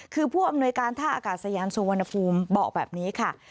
คือผู้อำนวยการท่าอากาศยานสุวรรณภูมิบอกแบบนี้ค่ะ